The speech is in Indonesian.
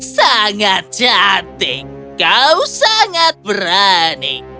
sangat cantik kau sangat berani